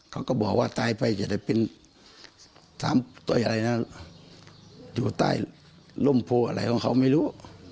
เขาก็บอกว่าตายไปอย่าได้เป็นสามตัวอะไรนะอยู่ใต้ร่มโพอะไรของเขาไม่รู้